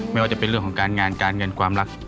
ไม่ว่าจะเป็นเรื่องของการงานการเงินความรัก